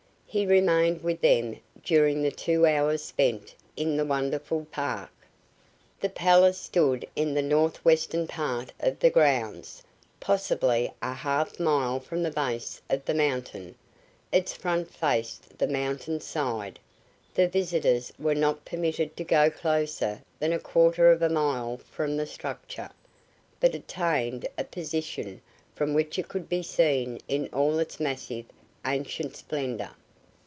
He remained with them during the two hours spent in the wonderful park. The palace stood in the northwestern part of the grounds, possibly a half mile from the base of the mountain. Its front faced the mountain side. The visitors were not permitted to go closer than a quarter of a mile from the structure, but attained a position from which it could be seen in all its massive, ancient splendor.